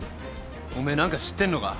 おめえ何か知ってんのか？